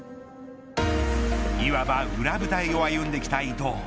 いわば裏舞台を歩んできた伊東。